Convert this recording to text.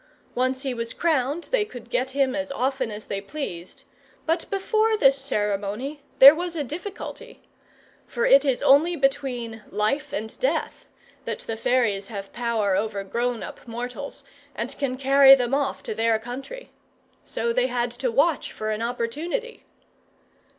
Once he was crowned, they could get him as often as they pleased; but before this ceremony there was a difficulty. For it is only between life and death that the fairies have power over grown up mortals, and can carry them off to their country. So they had to watch for an opportunity.